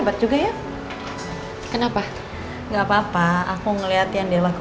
biar kamu bisa istirahat